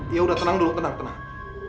ya udah tenang dulu tenang tenang